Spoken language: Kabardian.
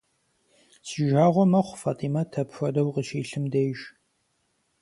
Си жагъуэ мэхъу Фатӏимэт апхуэдэу къыщилъым деж.